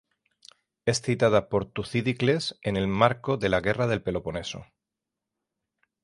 Es citada por Tucídides en el marco de la Guerra del Peloponeso.